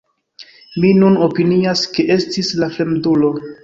Mi nun opinias ke estis la fremdulo.